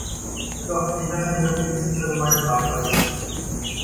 Doch, ich lasse mich auf die Liste zur Gemeinderatwahl setzen.